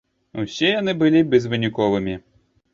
Усе яны былі безвыніковымі.